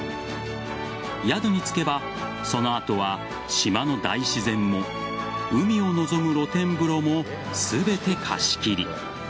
宿に着けばその後は島の大自然も海を望む露天風呂も全て貸し切り。